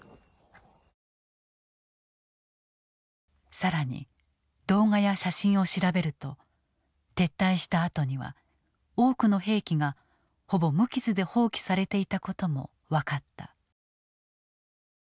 更に動画や写真を調べると撤退したあとには多くの兵器がほぼ無傷で放棄されていたことも分かった。